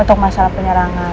untuk masalah penyerangan